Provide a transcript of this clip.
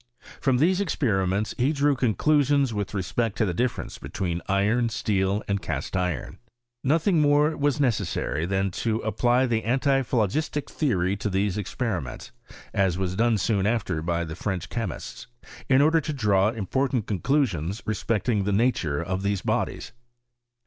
From these experiments he drew conclusions with respect to the difference between iron, steel, and cast iron. Nothing more was necessary than to apply the antiphlogistic theory to these experiments, (as was done soon after by the French chemists,) in order to draw important conclusions respecting the nature of these bodies.